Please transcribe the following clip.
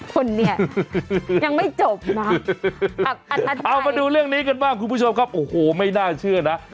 คุณเนี่ยยังไม่จบนะเอามาดูเรื่องนี้กันบ้างคุณผู้ชมครับโอ้โหไม่น่าเชื่อนะ